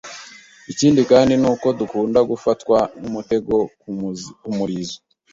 Ikindi kandi ni uko dukunda gufatwa n'umutego ku murizo